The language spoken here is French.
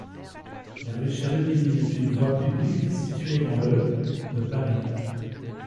La rue Chérubini est une voie publique située dans le de Paris.